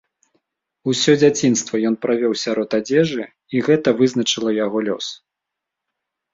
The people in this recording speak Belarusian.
Усё дзяцінства ён правёў сярод адзежы, і гэта вызначыла яго лёс.